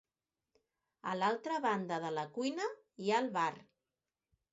A l'altra banda de la cuina hi ha el bar.